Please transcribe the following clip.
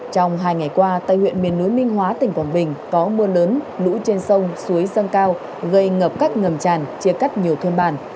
trong hai ngày qua tây huyện miền núi minh hóa tỉnh quảng bình có mưa lớn lũ trên sông suối sân cao gây ngập cắt ngầm tràn chia cắt nhiều thôn bàn